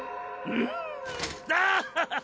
うん？